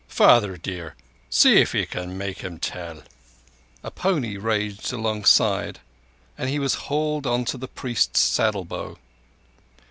Father dear, see if ye can make him tell." A pony ranged alongside, and he was hauled on to the priest's saddlebow.